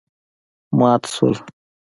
مات شول.